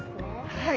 はい。